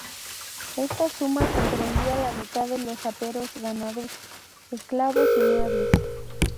Esta suma comprendía la mitad de los aperos, ganados, esclavos y muebles.